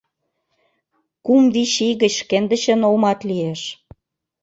Кум-вич ий гыч шкендычын олмат лиеш.